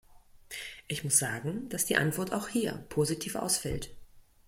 Ich muss sagen, dass die Antwort auch hier positiv ausfällt.